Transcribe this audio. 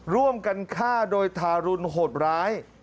ร่วมกันฆ่าโดยทารุณโหดร้าย